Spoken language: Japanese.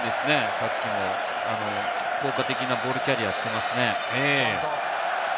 さっきも効果的なボールキャリアーしてますね。